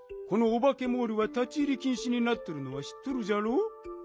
このオバケモールは立ち入りきんしになっとるのはしっとるじゃろう？